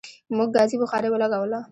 موږ ګازی بخاری ولګوله